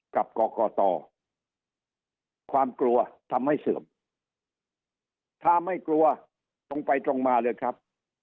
กับกรกตความกลัวทำให้เสื่อมถ้าไม่กลัวตรงไปตรงมาเลยครับ